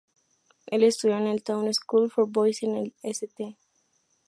Él estudió en la Town School for Boys y en el St.